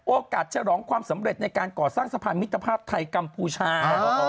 ฉลองความสำเร็จในการก่อสร้างสะพานมิตรภาพไทยกัมพูชา